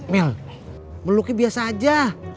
mil meluknya biasa aja